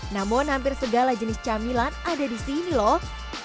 namun hampir segala jenis camilan ada di sini loh